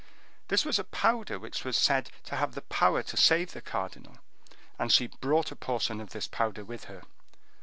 This was a powder which was said to have power to save the cardinal; and she brought a portion of this powder with her.